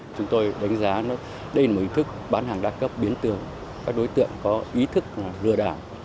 chúng tôi đánh giá đây là một ý thức bán hàng đa cấp biến tường các đối tượng có ý thức lừa đảm